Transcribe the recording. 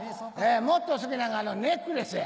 もっと好きなんがネックレスや。